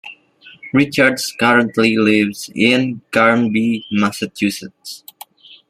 Richards currently lives in Granby, Massachusetts.